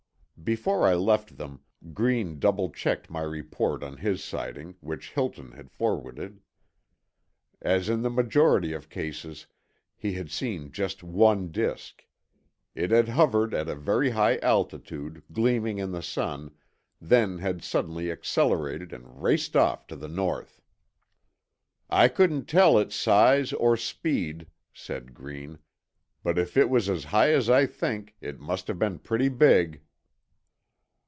Before I left them, Green double checked my report on his sighting, which Hilton had forwarded. As in the majority of cases, he had seen just one disk. It had hovered at a very high altitude, gleaming in the sun, then had suddenly accelerated and raced off to the north. "I couldn't tell its size or speed," said Green. "But if it was as high as I think, it must have been pretty big."